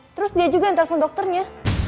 terus dia juga yang telepon dokternya